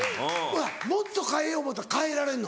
もっと変えよう思うたら変えられるの？